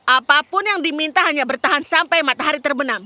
apapun yang diminta hanya bertahan sampai matahari terbenam